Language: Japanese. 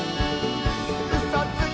「うそつき！」